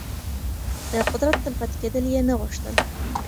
د قدرت تل پاتې کېدل يې نه غوښتل.